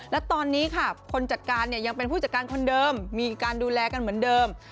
และตอนนี้ค่ะคนจัดการเนี่ยยังเป็นผู้จัดการคนเดิมมีการดูแลกันเหมือนเดิม